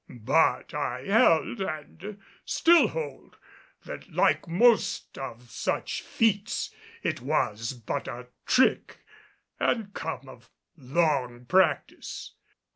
But I held and still hold, that like most of such feats, it was but a trick and come of long practise.